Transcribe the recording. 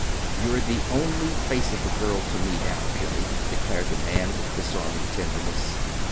"You're the only 'Face of a girl' to me now, Billy," declared the man, with disarming tenderness.